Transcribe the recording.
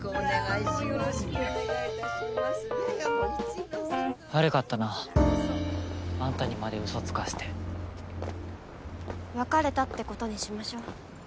いやいやもう悪かったなあんたにまでウソつかせて別れたってことにしましょ？